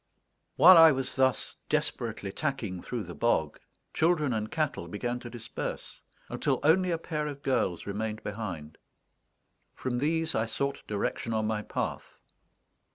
While I was thus desperately tacking through the bog, children and cattle began to disperse, until only a pair of girls remained behind. From these I sought direction on my path.